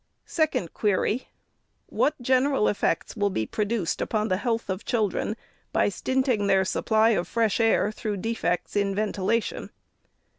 Second Query. —" What general effects will be produced upon the health of children by stinting their supply of fresh air through defects in ventilation